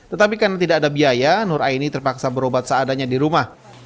tetapi karena tidak ada biaya nur aini terpaksa berobat seadanya di rumah